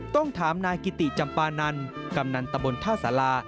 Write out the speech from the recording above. ต้องถามนายกิติจำปานันกำนันตะบนท่าสารา